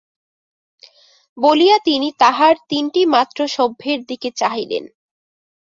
বলিয়া তিনি তাঁহার তিনটি মাত্র সভ্যের দিকে চাহিলেন।